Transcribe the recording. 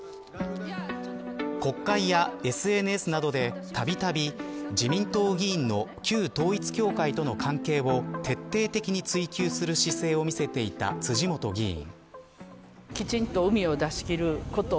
国会やＳＮＳなどでたびたび、自民党議員の旧統一教会との関係を徹底的に追及する姿勢を見せていた辻元議員。